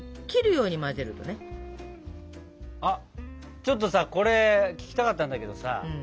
ちょっとさこれ聞きたかったんだけどさ